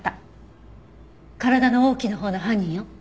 体の大きなほうの犯人よ。